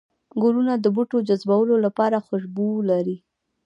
گلونه د بوټو جذبولو لپاره خوشبو لري